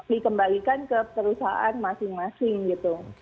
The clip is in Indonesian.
dikembalikan ke perusahaan masing masing gitu